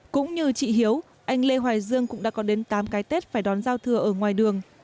cũng như chị hiếu anh lê hoài dương cũng đã có đến tám cái tết phải đón giao thừa ở ngoài đường